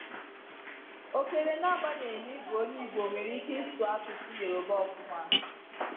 Okere n'agbanyeghị na ịbụ onye Igbo nwere ike ịsụ asụsụ Yoruba ọfụma.